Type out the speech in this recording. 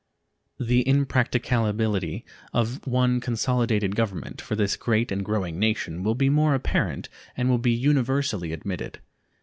The impracticability of one consolidated Government for this great and growing nation will be more apparent and will be universally admitted.